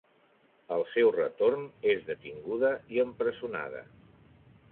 Al seu retorn és detinguda i empresonada.